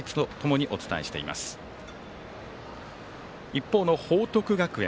一方の報徳学園。